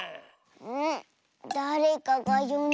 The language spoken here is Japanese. ん？